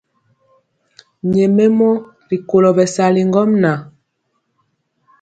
Nyɛmemɔ rikolo bɛsali ŋgomnaŋ.